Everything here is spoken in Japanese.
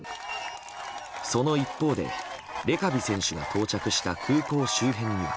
その一方で、レカビ選手が到着した空港周辺には。